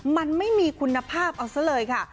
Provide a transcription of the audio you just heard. มันไม่มีคุณภาพเอาซะเลยค่ะ